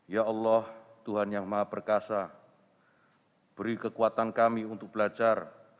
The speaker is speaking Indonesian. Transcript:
ya allah tuhan yang maha perkasa beri kekuatan kami untuk belajar